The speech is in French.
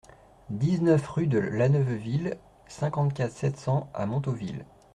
dix-neuf rue de Laneuveville, cinquante-quatre, sept cents à Montauville